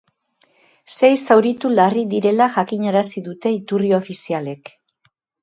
Sei zauritu larri direla jakinarazi dute iturri ofizialek.